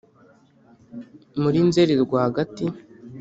muri nzeri rwagati,